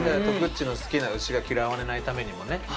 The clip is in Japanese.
徳っちの好きな牛が嫌われないためにもね。